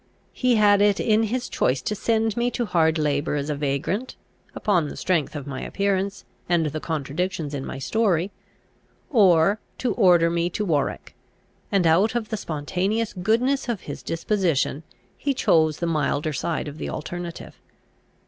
He had it in his choice to send me to hard labour as a vagrant, upon the strength of my appearance and the contradictions in my story, or to order me to Warwick; and, out of the spontaneous goodness of his disposition, he chose the milder side of the alternative.